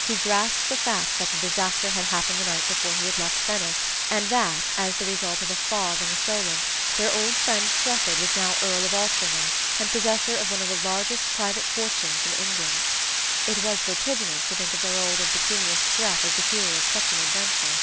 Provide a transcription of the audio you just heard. He grasped the fact that the disaster had happened the night before he had left Venice and that, as the result of a fog in the Solent, their old friend Strefford was now Earl of Altringham, and possessor of one of the largest private fortunes in England. It was vertiginous to think of their old impecunious Streff as the hero of such an adventure.